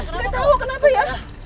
nggak tau kenapa ya